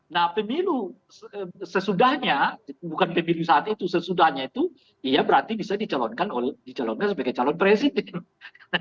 nah pemilu sesudahnya bukan pemilu saat itu sesudahnya itu ya berarti bisa dicalonkan sebagai calon presiden